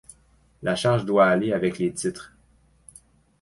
La charge doit aller avec les titres